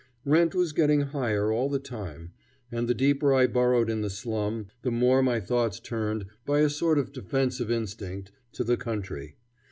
Rent was getting higher all the time, and the deeper I burrowed in the slum, the more my thoughts turned, by a sort of defensive instinct, to the country.